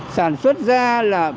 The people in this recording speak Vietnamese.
sản xuất ra là